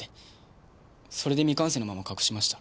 それで未完成のまま隠しました。